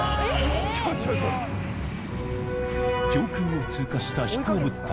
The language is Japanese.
上空を通過した飛行物体